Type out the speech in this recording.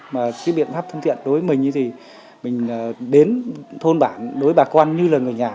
mà cái biện pháp thân thiện đối với mình thì mình đến thôn bản đối với bà con như là người nhà